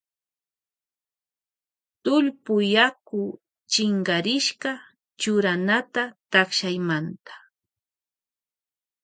Tullpuyaku chinkarishka churanata takshaymanta.